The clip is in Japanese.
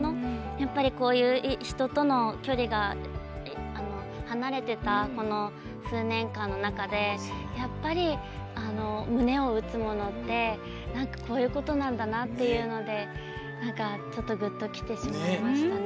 やっぱり、人との距離が離れてた、この数年間の中でやっぱり、胸を打つものってこういうことなんだなっていうのでちょっとグッときてしまいましたね。